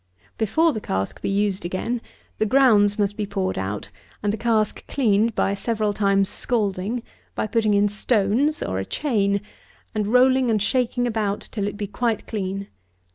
Before the cask be used again, the grounds must be poured out, and the cask cleaned by several times scalding; by putting in stones (or a chain,) and rolling and shaking about till it be quite clean.